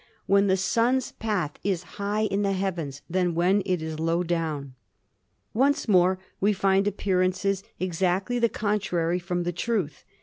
when the Sun's path is high in the heavens than when it is low down. "Once more we find appearances exactly the contrary from the truth.